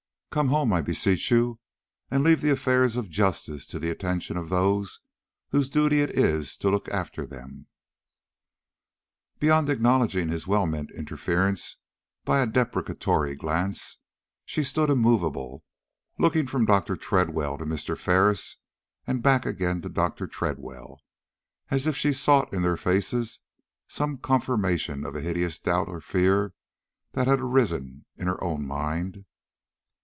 Come home, I beseech you, and leave the affairs of justice to the attention of those whose duty it is to look after them." But beyond acknowledging his well meant interference by a deprecatory glance, she stood immovable, looking from Dr. Tredwell to Mr. Ferris, and back again to Dr. Tredwell, as if she sought in their faces some confirmation of a hideous doubt or fear that had arisen in her own mind.